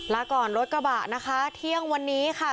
ลาก่อนรถกระบะนะคะเที่ยงวันนี้ค่ะ